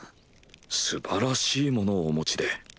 すばらしいものをお持ちで。